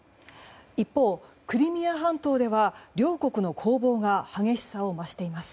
一方、クリミア半島では両国の攻防が激しさを増しています。